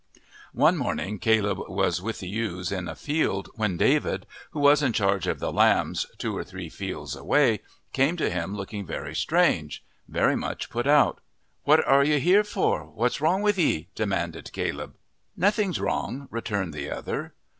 One morning Caleb was with the ewes in a field, when David, who was in charge of the lambs two or three fields away, came to him looking very strange very much put out. "What are you here for what's wrong with 'ee?" demanded Caleb. "Nothing's wrong," returned the other.